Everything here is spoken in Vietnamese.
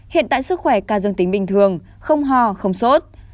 hiện tại sức khỏe ca dân tính bình thường không ho không sốt